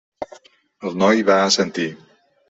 El noi va assentir.